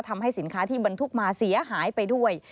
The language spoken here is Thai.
ทำให้สินค้าที่บรรทุกมาเสียหายไปด้วย